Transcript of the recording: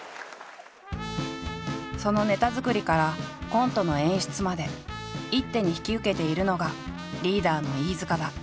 そのネタ作りからコントの演出まで一手に引き受けているのがリーダーの飯塚だ。